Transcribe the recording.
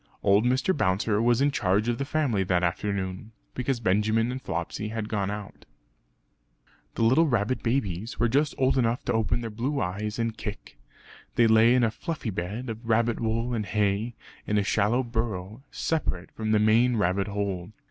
Old Mr. Bouncer was in charge of the family that afternoon, because Benjamin and Flopsy had gone out. The little rabbit babies were just old enough to open their blue eyes and kick. They lay in a fluffy bed of rabbit wool and hay, in a shallow burrow, separate from the main rabbit hole.